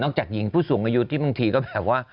จากหญิงผู้สูงอายุที่บางทีก็แบบว่า